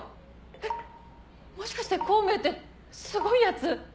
えっもしかして孔明ってすごいやつ？